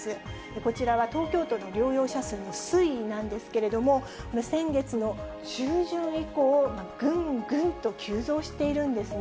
こちらは東京都の療養者数の推移なんですけれども、先月の中旬以降、ぐんぐんと急増しているんですね。